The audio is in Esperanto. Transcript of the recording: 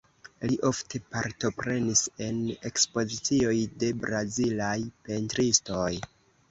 Li ofte partoprenis en ekspozicioj de brazilaj pentristoj.